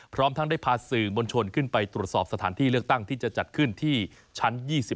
พร้อมทั้งได้พาสื่อมวลชนขึ้นไปตรวจสอบสถานที่เลือกตั้งที่จะจัดขึ้นที่ชั้น๒๐